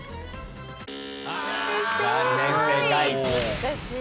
・難しい。